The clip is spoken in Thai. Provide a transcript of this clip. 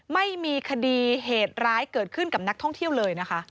ไม่มีคดีเหตุร้ายเกิดขึ้นกับนักท่องเที่ยวเลยนะคะ